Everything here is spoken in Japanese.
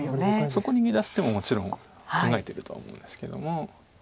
そこに逃げ出す手ももちろん考えてるとは思うんですけども。